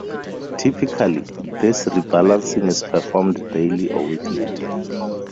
Typically, this rebalancing is performed daily or weekly.